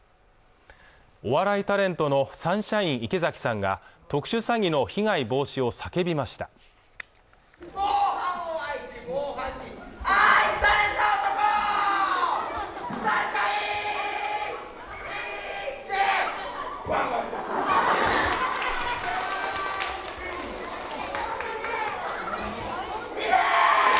お笑いタレントのサンシャイン池崎さんが特殊詐欺の被害防止を叫びましたサンシャイン池崎！